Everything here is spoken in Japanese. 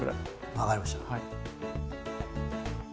分かりました。